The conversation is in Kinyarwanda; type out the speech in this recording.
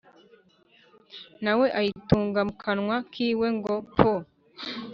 nawe ayitunga mukanwa kiwe ngo pooo!!